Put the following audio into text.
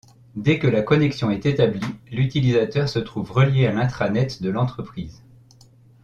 Dès que la connexion est établie, l'utilisateur se trouve relié à l'Intranet de l'entreprise.